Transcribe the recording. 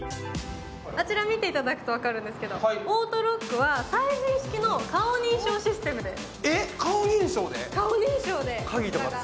あちら見ていただくと分かるんですけど、オートロックは最新式の顔認証システムです。